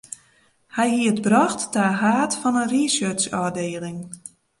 Hy hie it brocht ta haad fan in researchôfdieling.